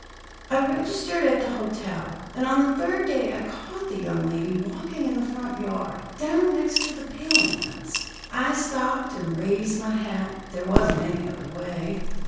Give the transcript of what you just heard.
"I registered at the hotel, and on the third day I caught the young lady walking in the front yard, down next to the paling fence. I stopped and raised my hat there wasn't any other way.